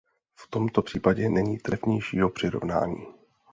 V tomto případě není trefnějšího přirovnání.